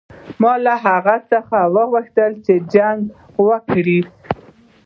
ما له هغه څخه وغوښتل چې جنګ وکړي.